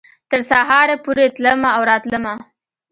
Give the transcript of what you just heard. تر سهاره پورې تلمه او راتلمه